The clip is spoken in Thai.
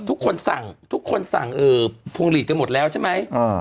ทุกคนสั่งทุกคนสั่งเออพรุงฤทธิ์กันหมดแล้วใช่ไหมอ่า